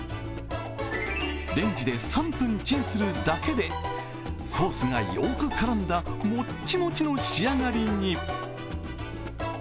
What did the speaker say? レンジで３分チンするだけで、ソースがよく絡んだもっちもちの仕上がりに。